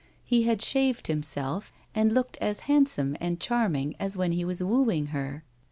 He had shaved himself and looked as handsome and charming as when he was wooing her.